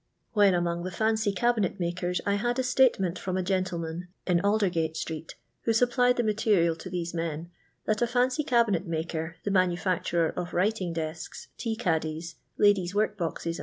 When among the fancy cabinet makers I had a statement from a gentlem.tn, io Alder^ga^' street. who supplied the niaterial* 6? these men, tiiat a Taney cabinet maker, the m.i:iufic turer of writing df'sks, tea caddies, ladies' work boxe.4.